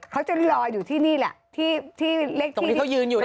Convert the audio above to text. เขาจนรออยู่ที่นี่แหละที่เล็กที่ตรงที่เขายืนอยู่เนี่ย